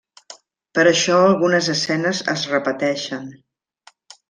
Per això algunes escenes es repeteixen.